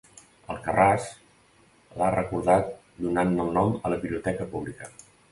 Alcarràs l'ha recordat donant-ne el nom a la biblioteca pública.